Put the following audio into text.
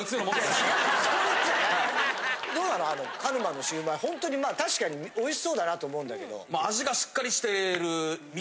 どうなのあの鹿沼のシウマイほんとにまあ確かにおいしそうだなと思うんだけど。